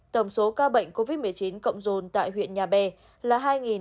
tổng số ca bệnh covid một mươi chín cộng dồn tại huyện nhà bè là hai năm trăm năm mươi một